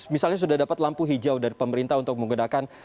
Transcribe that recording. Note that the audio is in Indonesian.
misalnya sudah dapat lampu hijau dari pemerintah untuk menggunakan